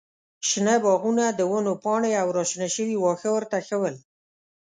شنه باغونه، د ونو پاڼې او راشنه شوي واښه ورته ښه ول.